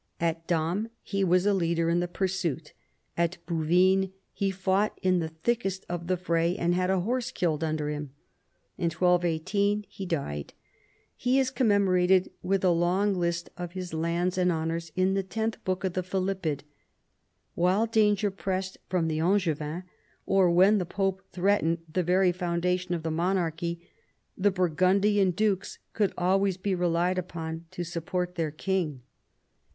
At Dam he was a leader in the pursuit, at Bouvines he fought in the thickest of the fray, and had a horse killed under him. In 1218 he died. He is commemorated, with a long list of his lands and honours, in the tenth book of the Philippid. While danger pressed from the Angevins, or when the Pope threatened the very foundation of the monarchy, the Burgundian dukes could always be relied upon to support their king.